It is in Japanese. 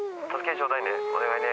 お願いね。